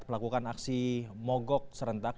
melakukan aksi mogok serentak